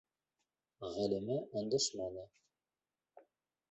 Ғәлимә өндәшмәне.